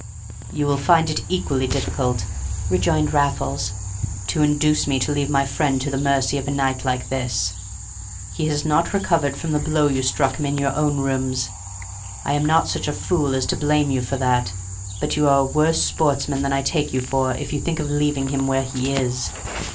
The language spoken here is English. "You will find it equally difficult," rejoined Raffles, "to induce me to leave my friend to the mercy of a night like this. He has not recovered from the blow you struck him in your own rooms. I am not such a fool as to blame you for that, but you are a worse sportsman than I take you for if you think of leaving him where he is.